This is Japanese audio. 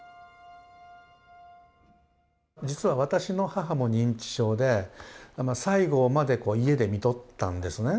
実は私の母も認知症で最期まで家で看取ったんですね。